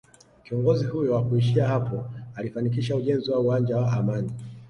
Kiongozi huyo hakuishia hapo alifanikisha ujenzi wa uwanja wa Amani